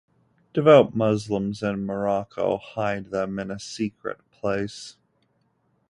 Devout Muslims in Morocco hide them in a secret place.